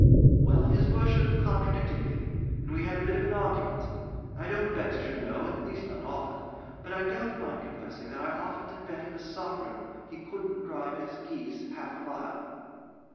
'Well, his Worship contradicted me, and we had a bit of an argument. I don't bet, as you know at least, not often but I don't mind confessing that I offered to bet him a sovereign he couldn't drive his geese half a mile.